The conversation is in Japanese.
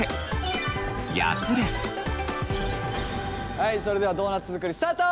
はいそれではドーナツ作りスタート！